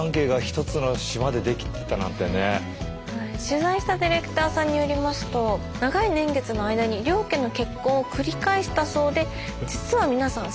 取材したディレクターさんによりますと長い年月の間に両家の結婚を繰り返したそうで実は皆さん